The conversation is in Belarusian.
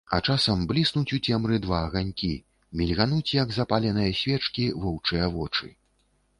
А часам бліснуць у цемры два аганькі, мільгануць, як запаленыя свечкі, воўчыя вочы.